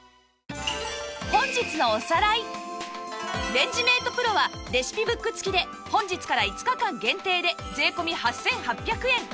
レンジメート ＰＲＯ はレシピブック付きで本日から５日間限定で税込８８００円